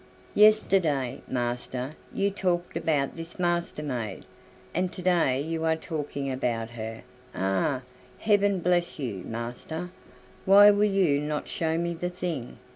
"Yesterday, master, you talked about this Master maid, and to day you are talking about her; ah, heaven bless you, master, why will you not show me the thing?